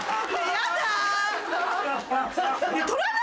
やだ。